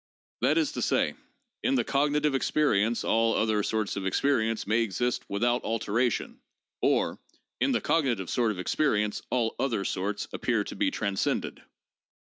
That is to say, 'In the cognitive experience all other sorts of experience may exist without alteration,' or, 'In the cognitive sort of experience all other sorts appear to be transcended' (p.